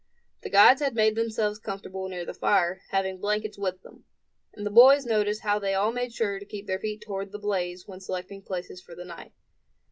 The guides had made themselves comfortable near the fire, having blankets with them; and the boys noticed how they all made sure to keep their feet toward the blaze when selecting places for the night.